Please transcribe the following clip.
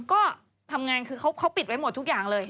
ก็ทำงานคือเขาปิดไว้หมดทุกอย่างเลย